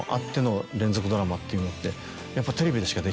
っていうのってやっぱ。